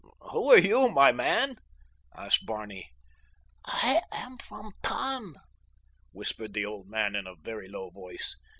"Who are you, my man?" asked Barney. "I am from Tann," whispered the old man, in a very low voice.